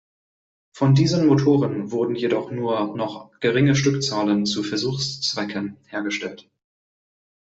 Von diesen Motoren wurden jedoch nur noch geringe Stückzahlen zu Versuchszwecken hergestellt.